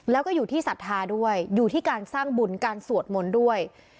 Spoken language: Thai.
แล้วก็อยู่ที่ศรัทธาด้วยอยู่ที่การสร้างบุญการสวดมนต์ด้วย